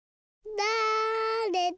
だれだ？